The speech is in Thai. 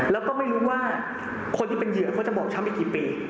แล้วก็ไม่รู้ว่าคนที่เป็นเหยื่อจะบอกช้ำหลายปี